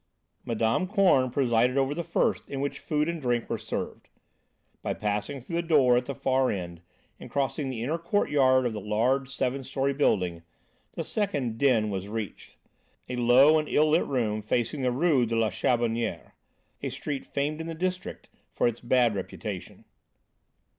Mme. Korn presided over the first in which food and drink were served. By passing through the door at the far end, and crossing the inner courtyard of the large seven story building, the second "den" was reached a low and ill lit room facing the Rue de la Charbonnière, a street famed in the district for its bad reputation.